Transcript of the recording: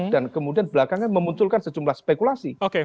dan kemudian belakangan memunculkan sejumlah spekulasi